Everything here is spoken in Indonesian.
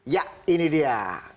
ya ini dia